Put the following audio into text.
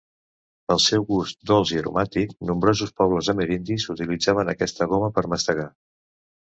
Pel seu gust dolç i aromàtic, nombrosos pobles amerindis utilitzaven aquesta goma per mastegar.